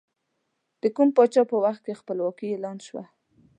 د کوم پاچا په وخت کې خپلواکي اعلان شوه؟